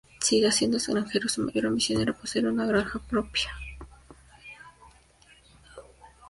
Siendo granjero, su mayor ambición era poseer una granja propia.